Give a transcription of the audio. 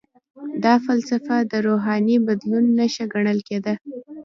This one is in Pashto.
دا فلسفه د روحاني بدلون نښه ګڼل کیده.